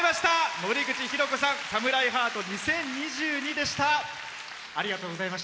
森口博子さん「サムライハート２０２２」でした。